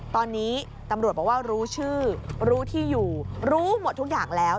ตอนนี้ตำรวจบอกว่ารู้ชื่อรู้ที่อยู่รู้หมดทุกอย่างแล้ว